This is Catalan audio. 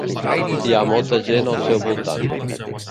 Hi ha molta gent al seu voltant.